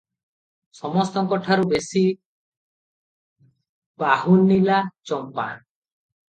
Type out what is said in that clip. ସମସ୍ତଙ୍କଠାରୁ ବେଶି ବାହୁନିଲା ଚମ୍ପା ।